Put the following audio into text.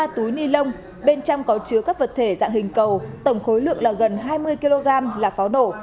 ba túi ni lông bên trong có chứa các vật thể dạng hình cầu tổng khối lượng là gần hai mươi kg là pháo nổ